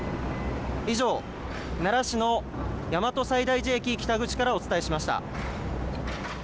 以上、奈良市の大和西大寺駅北口からお伝えしました。